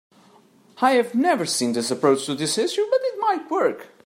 I have never seen this approach to this issue, but it might work.